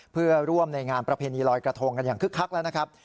เพื่อร่วมในงานประเพณีลอยกระทงกันอย่างคึกคักแล้วนะครับ